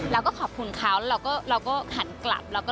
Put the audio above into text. เราก็ขอบคุณเขาเราก็หันกลับ